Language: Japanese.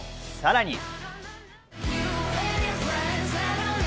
さらに。